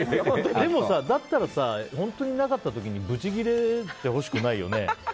でもさ、だったらさ本当になかった時にブチギレてほしくないよね。